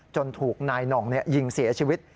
ถูกนายหน่องยิงเสียชีวิต